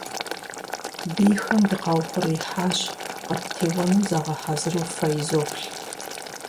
Бийхэм дыкъаухъуреихьащ, къыттеуэну загъэхьэзыру фэ изоплъ.